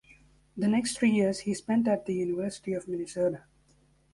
The next three years he spent at the University of Minnesota.